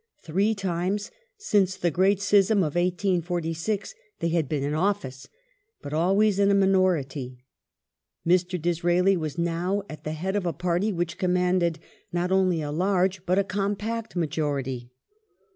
Three times since the great schism of 1846 they had been in office, but always in a minority. Mr. Disraeli was now at the head of a party which commanded not only a large but a compact majority.